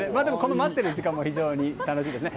待ってる時間も非常に楽しいですね。